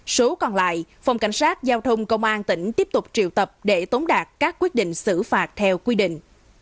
số còn lại phòng cảnh sát giao thông công an tỉnh tiếp tục triệu tập để tống đạt các quyết định xử phạt theo quy định